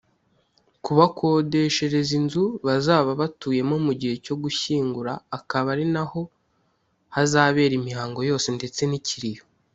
Kubakodeshereza inzu bazaba batuyemo mu gihe cyo gushyingura akaba ari naho hazabera imihango yose ndetse n’ikiriyo